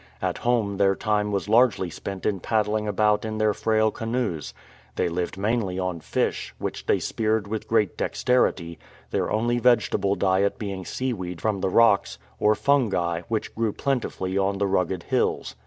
At home their time was largely spent in paddling about in their frail canoes. They lived mainly on fish, which they speared with great dexterity, their only vegetable diet being seaweed from the rocks, or fungi, which grew plentifully on the rugged hills.